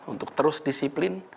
untuk terus disiplin